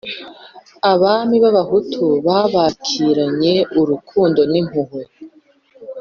Abami b'Abahutu babakiranye urukundo n'impuhwe.